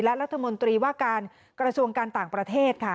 และรัฐมนตรีว่าการกระทรวงการต่างประเทศค่ะ